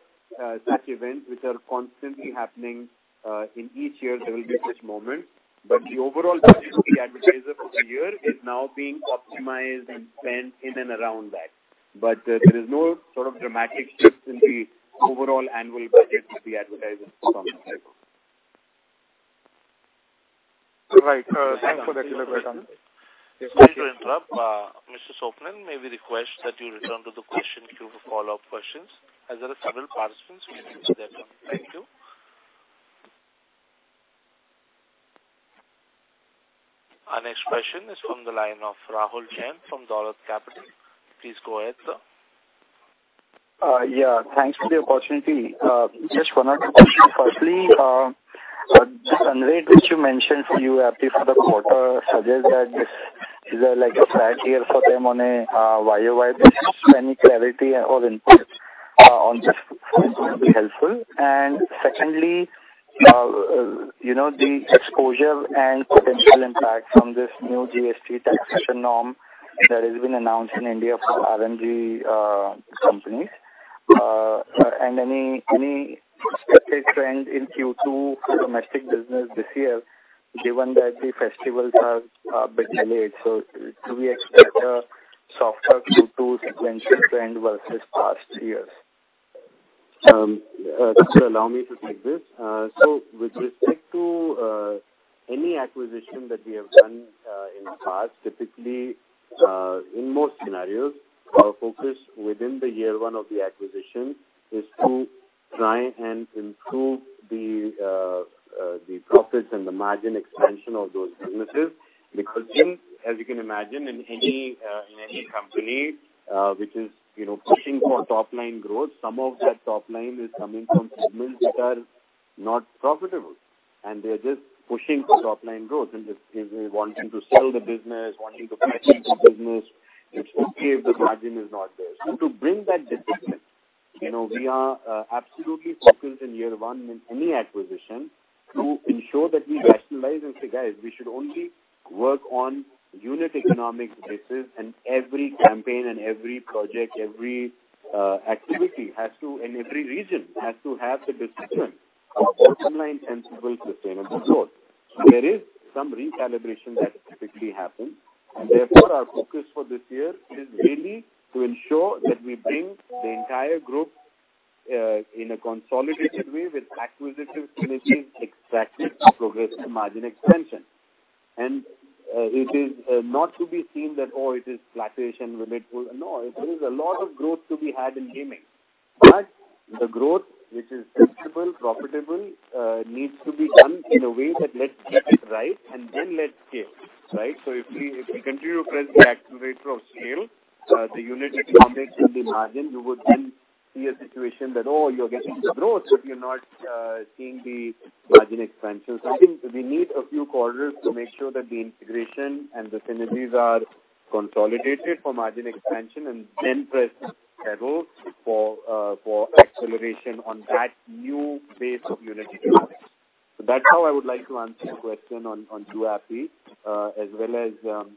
such events which are constantly happening. In each year there will be this moment, but the overall budget of the advertiser for the year is now being optimized and spent in and around that. There is no sort of dramatic shift in the overall annual budget of the advertisers from there. Right. Thanks for that elaboration. Sorry to interrupt. Mr. Swapnil, may we request that you return to the question queue for follow-up questions, as there are several participants waiting their turn. Thank you. Our next question is from the line of Rahul Jain from Dolat Capital. Please go ahead, sir. Yeah, thanks for the opportunity. Just one or two questions. Firstly, just underweight, which you mentioned for YouAppi for the quarter, suggest that this is like a flat year for them on a YY basis. Any clarity or input on this would be helpful. Secondly, you know, the exposure and potential impact from this new GST taxation norm that has been announced in India for RMG companies? Any, any specific trend in Q2 for domestic business this year, given that the festivals are, are a bit delayed? Do we expect a softer Q2 sequential trend versus past years? So allow me to take this. So with respect to any acquisition that we have done in the past, typically in most scenarios, our focus within the year 1 of the acquisition is to try and improve the profits and the margin expansion of those businesses. Because since, as you can imagine, in any in any company, which is, you know, pushing for top-line growth, some of that top line is coming from segments that are not profitable, and they're just pushing for top-line growth, and this is wanting to sell the business, wanting to price the business. It's okay if the margin is not there. To bring that discipline, you know, we are absolutely focused in year one in any acquisition to ensure that we rationalize and say, "Guys, we should only work on unit economics basis, and every campaign and every project, every activity has to, and every region has to have the discipline of bottom line and sustainable sustainable growth." There is some recalibration that typically happens, and therefore, our focus for this year is really to ensure that we bring the entire group in a consolidated way with acquisitive synergies, exactly to progress the margin expansion. It is not to be seen that, oh, it is fluctuation limit. There is a lot of growth to be had in gaming, but the growth which is sustainable, profitable, needs to be done in a way that let's get it right and then let's scale, right? If we, if we continue to press the accelerator of scale, the unit economics in the margin, you would then see a situation that, oh, you're getting the growth, but you're not seeing the margin expansion. I think we need a few quarters to make sure that the integration and the synergies are consolidated for margin expansion and then press the pedal for acceleration on that new base of unit economics. That's how I would like to answer your question on, on YouAppi, as well as,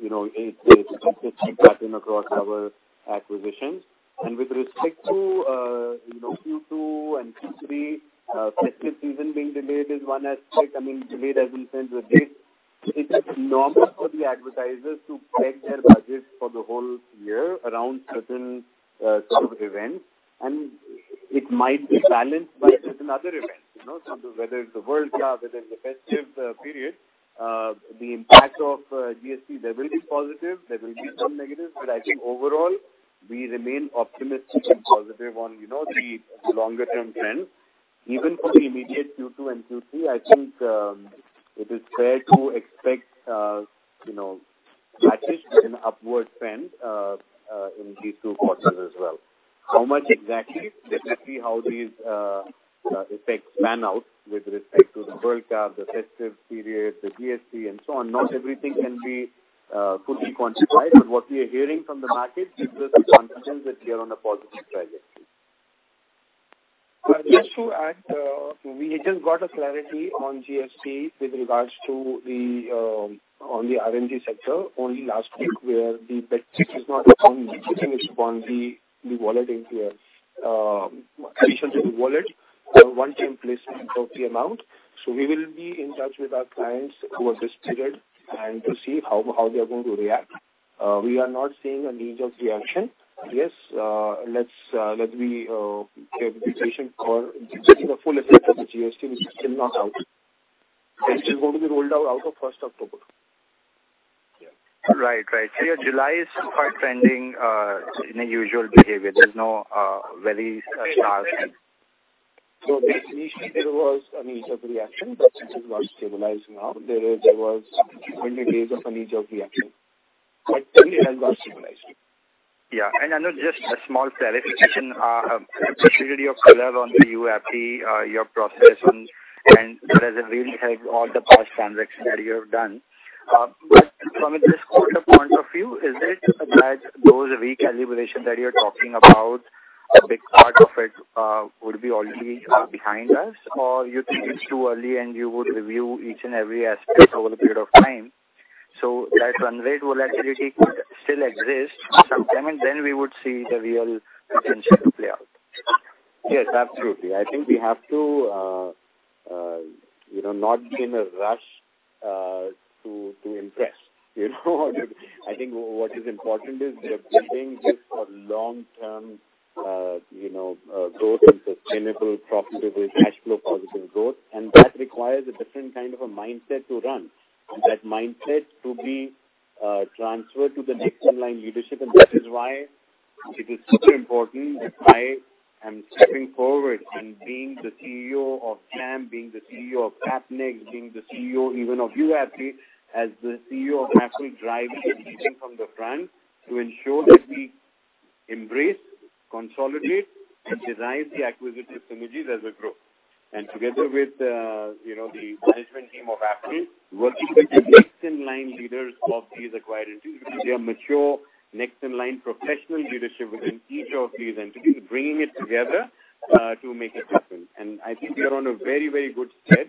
you know, if they keep that in across our acquisitions. With respect to, you know, Q2 and Q3, festive season being delayed is one aspect, I mean, delayed as in terms of date. It is normal for the advertisers to peg their budgets for the whole year around certain sort of events, and it might be balanced by certain other events, you know, whether it's the World Cup, whether it's the festive period, the impact of GST, there will be positive, there will be some negative, but I think overall, we remain optimistic and positive on, you know, the longer term trend. Even for the immediate Q2 and Q3, I think, it is fair to expect, you know, at least an upward trend in these two quarters as well. How much exactly? Let's see how these effects pan out with respect to the World Cup, the festive period, the GST, and so on. Not everything can be could be quantified, but what we are hearing from the market gives us the confidence that we are on a positive trajectory. Just to add, we just got a clarity on GST with regards to the on the RMG sector only last week, where the metric is not on, it is on the, the wallet into your addition to the wallet, one-time placement of the amount. We will be in touch with our clients over this period and to see how, how they are going to react. We are not seeing an immediate reaction. Yes, let's let me get the patient for the full effect of the GST, which is still not out. It is going to be rolled out out of 1st October. Right. Right. Your July is quite trending in a usual behavior. There's no very sharp end. Basically, there was an immediate reaction, but it has got stabilized now. There was many days of an initial reaction, but then it has got stabilized. Yeah. I know just a small clarification, specifically your color on the YouAppi, your processing, and does it really help all the past transactions that you have done? From a discount point of view, is it that those re-calibration that you're talking about, a big part of it, would be already behind us? Or you think it's too early and you would review each and every aspect over a period of time, so that run rate volatility could still exist for some time, and then we would see the real potential play out? Yes, absolutely. I think we have to, you know, not be in a rush to, to impress, you know. I think what is important is we are building this for long-term, you know, growth and sustainable, profitable, cash flow, positive growth, and that requires a different kind of a mindset to run. And that mindset to be transferred to the next in line leadership, and that is why it is super important that I am stepping forward and being the CEO of Jampp being the CEO of Appnext, being the CEO even of YouAppi, as the CEO of Affle, driving and leading from the front to ensure that we embrace, consolidate, and derive the acquisitive synergies as a group. Together with, you know, the management team of Affle, working with the next in line leaders of these acquired entities, they are mature, next in line professional leadership within each of these entities, bringing it together to make it happen. I think we are on a very, very good step.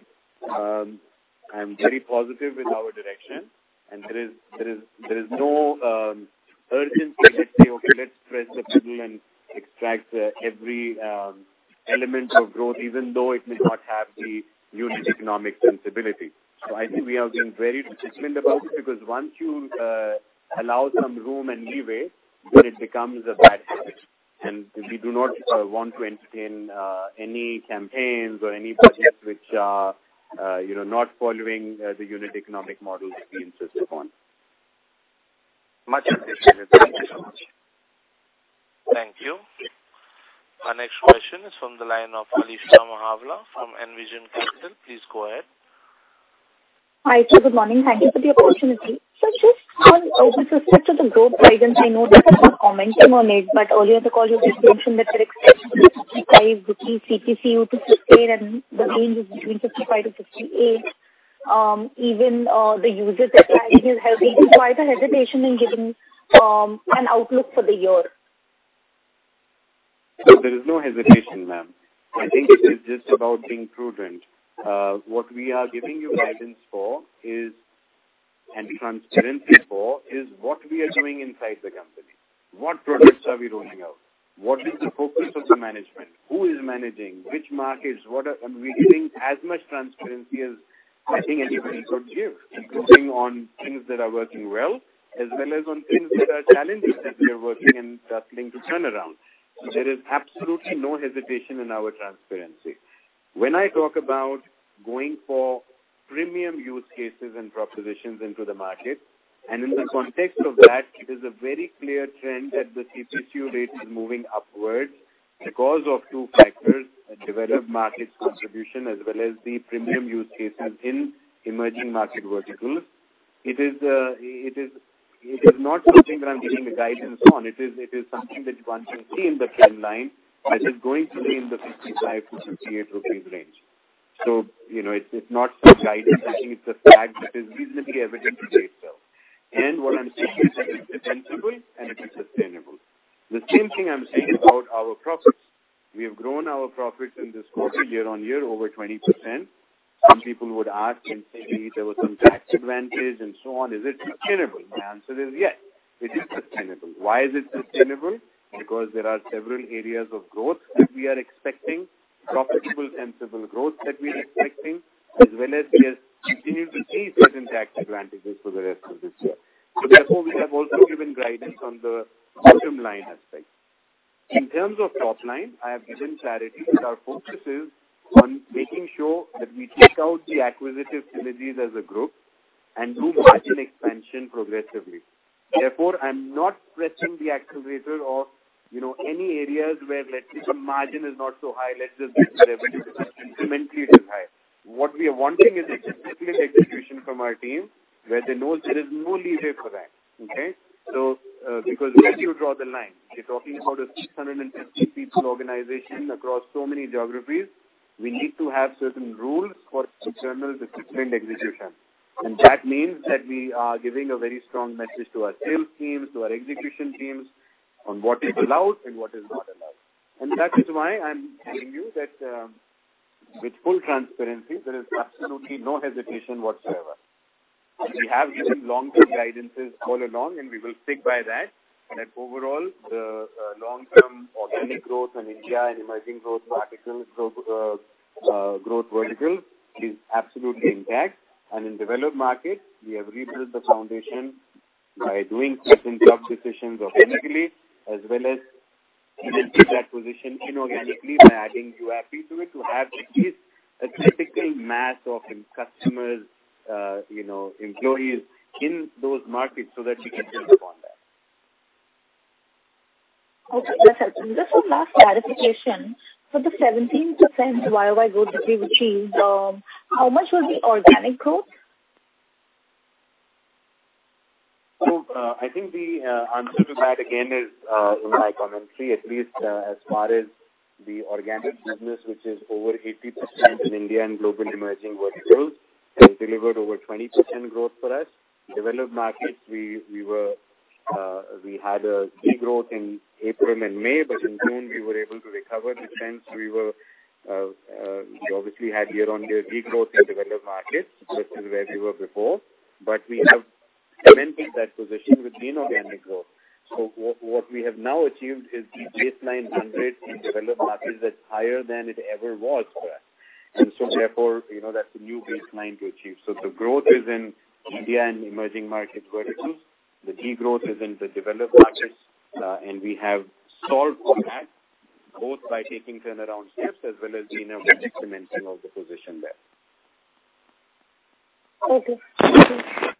I'm very positive with our direction, and there is, there is, there is no urgency to say, "Okay, let's press the pedal and extract every element of growth, even though it may not have the unit economic sensibility." I think we are being very disciplined about it, because once you allow some room and leeway, then it becomes a bad habit. We do not want to entertain any campaigns or any budgets which are, you know, not following the unit economic model that we insisted upon. Much appreciated. Thank you so much. Thank you. Our next question is from the line of Alisha Mahawla from Envision Capital. Please go ahead. Hi, sir. Good morning. Thank you for the opportunity. Sir, just on the perspective of the growth guidance, I know that you are commenting on it. Earlier in the call, you just mentioned that your expectation is INR 55, CTCU to INR 58, and the range is between INR 55-INR 58. Even the user trend is helping. Why the hesitation in giving an outlook for the year? There is no hesitation, ma'am. I think it is just about being prudent. What we are giving you guidance for is, and transparency for, is what we are doing inside the company. What products are we rolling out? What is the focus of the management? Who is managing? Which markets? Are we giving as much transparency as I think anybody could give, including on things that are working well, as well as on things that are challenging, that we are working and starting to turn around. There is absolutely no hesitation in our transparency. When I talk about going for premium use cases and propositions into the market, and in the context of that, it is a very clear trend that the CPCU rate is moving upwards because of two factors: the developed market contribution, as well as the premium use cases in emerging market verticals. It is, it is, it is not something that I'm giving a guidance on. It is, it is something that one can see in the timeline, that is going to be in the 55-58 rupees range. You know, it's, it's not some guidance. I think it's a fact that is reasonably evident today itself. What I'm saying is that it's sensible and it is sustainable. The same thing I'm saying about our profits. We have grown our profits in this quarter, year-on-year, over 20%. Some people would ask and say, maybe there was some tax advantage and so on. Is it sustainable? My answer is, yes, it is sustainable. Why is it sustainable? There are several areas of growth that we are expecting, profitable, sensible growth that we are expecting, as well as we are beginning to see certain tax advantages for the rest of this year. Therefore, we have also given guidance on the bottom line aspect. In terms of top line, I have given clarity that our focus is on making sure that we take out the acquisitive synergies as a group and do margin expansion progressively. Therefore, I'm not pressing the accelerator or, you know, any areas where let's say the margin is not so high, let's just increase the revenue. Incrementally, it is high. What we are wanting is a disciplined execution from our team, where they know there is no leeway for that, okay? Because where do you draw the line? You're talking about a 650 people organization across so many geographies. We need to have certain rules for internal disciplined execution. That means that we are giving a very strong message to our sales teams, to our execution teams, on what is allowed and what is not allowed. That is why I'm telling you that, with full transparency, there is absolutely no hesitation whatsoever. We have given long-term guidances all along, and we will stick by that, that overall, the long-term organic growth in India and emerging growth articles, growth verticals is absolutely intact. In developed markets, we have rebuilt the foundation by doing certain job decisions organically, as well as even keep that position inorganically by adding YouAppi to it, to have at least a critical mass of customers, you know, employees in those markets so that you can build upon that. Okay. Just one last clarification. For the 17% YOY growth that we've achieved, how much was the organic growth? I think the answer to that, again, is in my commentary, at least, as far as the organic business, which is over 80% in India and global emerging verticals, has delivered over 20% growth for us. Developed markets, we, we were, we had a degrowth in April and May, but in June, we were able to recover the trends. We were, we obviously had year-over-year degrowth in developed markets, which is where we were before, but we have cemented that position with inorganic growth. What, what we have now achieved is the baseline 100 in developed markets that's higher than it ever was for us. Therefore, you know, that's the new baseline to achieve. The growth is in India and emerging market verticals. The degrowth is in the developed markets, and we have solved for that, both by taking turnaround steps as well as in organic cementing of the position there. Okay. Thank you.